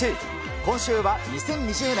今週は２０２０年